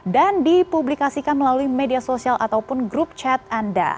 dan dipublikasikan melalui media sosial ataupun grup chat anda